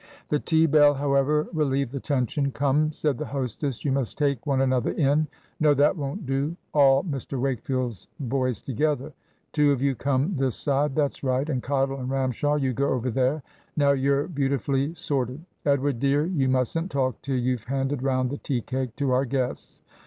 The tea bell, however, relieved the tension, "Come," said the hostess. "You must take one another in. No, that won't do, all Mr Wakefield's boys together. Two of you come this side that's right; and Cottle and Ramshaw, you go over there. Now, you're beautifully sorted. Edward, dear, you mustn't talk till you've handed round the tea cake to our guests.